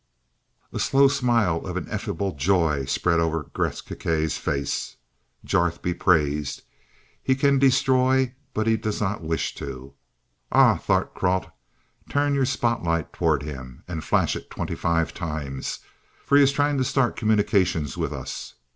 A slow smile of ineffable joy spread over Gresth Gkae's face. "Jarth Be Praised. He can destroy, but does not wish to. Ah, Thart Kralt, turn your spotlight toward him, and flash it twenty five times, for he is trying to start communications with us.